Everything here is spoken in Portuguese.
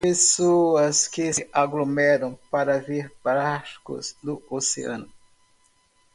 Pessoas que se aglomeram para ver barcos no oceano.